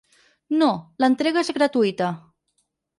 No, l'entrega és gratuïta.